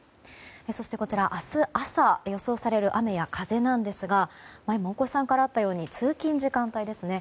そして、明日朝予想される雨や風なんですが前も大越さんからあったように通勤時間帯ですね。